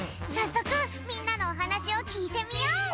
さっそくみんなのおはなしをきいてみよう。